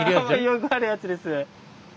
よくあるやつです。